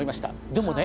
でもね